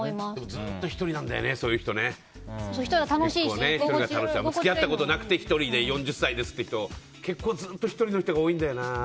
ずっと１人なんだよね、そういう人。付き合ったことがなくて１人で４０歳ですっていう人結構ずっと１人の人多いんだよな。